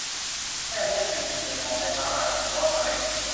หมู่มดแมงมุมเมียงมองแม่ม้ามากินมอดไม้